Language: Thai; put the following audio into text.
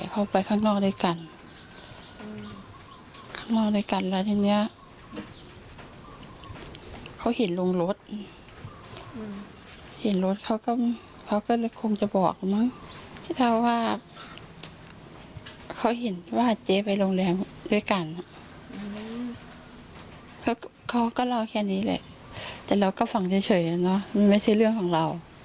เขาก็รอแค่นี้แหละแต่เราก็ฟังเฉยนะเนาะไม่ใช่เรื่องของเรา